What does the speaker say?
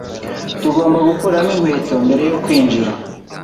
Tugomba gukuramo inkweto mbere yo kwinjira